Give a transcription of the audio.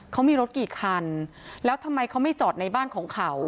เขามีรถกี่คันแล้วทำไมเขาไม่จอดในบ้านของเขา